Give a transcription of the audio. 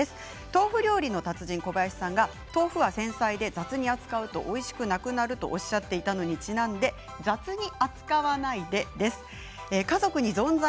豆腐料理の達人小林さんが豆腐は繊細で雑に扱うとおいしくなくなるとおっしゃっていたのにちなんで、雑に扱わないでです。